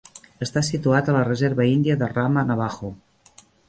Està situat a la reserva índia de Ramah Navajo.